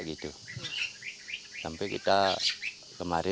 pembangunan berkompensasi berupa hewan ternak